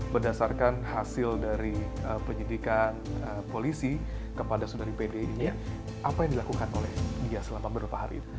berdasarkan hasil dari penyidikan polisi kepada saudari pd ini apa yang dilakukan oleh dia selama beberapa hari